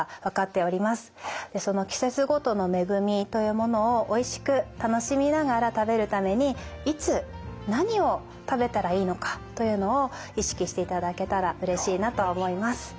その季節ごとの恵みというものをおいしく楽しみながら食べるためにいつ何を食べたらいいのかというのを意識していただけたらうれしいなと思います。